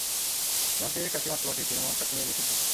তোমাকে কাকে মারতে পাঠিয়েছিলাম, আর কাকে মেরে এসেছ?